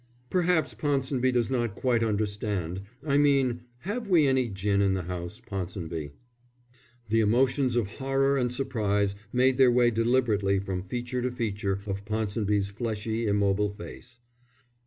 "Perhaps Ponsonby does not quite understand. I mean, have we any gin in the house, Ponsonby?" The emotions of horror and surprise made their way deliberately from feature to feature of Ponsonby's fleshy, immobile face.